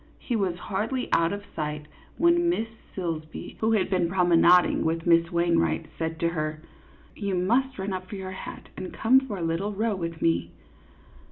He was hardly out of sight, when Miss Silsbee, who had been promenading with Miss Wainwright, said to her : "You must run up for your hat, and come for a little row with me."